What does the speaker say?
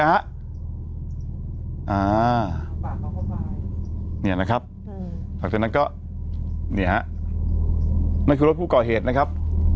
อ่าปากเขาเข้าไปเนี่ยนะครับหลังจากนั้นก็เนี่ยฮะนั่นคือรถผู้ก่อเหตุนะครับ